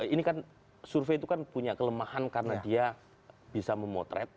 ini kan survei itu kan punya kelemahan karena dia bisa memotret